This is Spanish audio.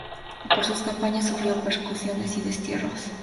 Por sus campañas sufrió persecuciones y destierros.